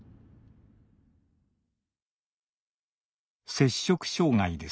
摂食障害です。